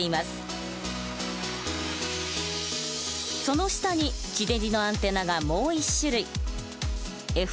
その下に地デジのアンテナがもう一種類。